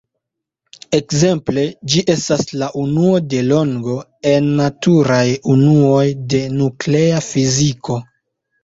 Ekzemple, ĝi estas la unuo de longo en naturaj unuoj de nuklea fiziko.